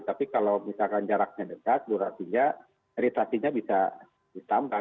tapi kalau misalkan jaraknya dekat durasinya iritasinya bisa ditambah